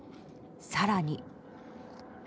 更に。